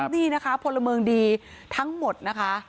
นี่นะคะพลเมืองดีทั้งหมดนะคะ